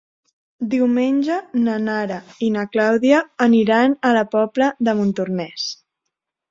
Diumenge na Nara i na Clàudia aniran a la Pobla de Montornès.